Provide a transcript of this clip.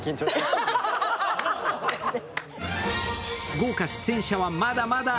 豪華出演者はまだまだ。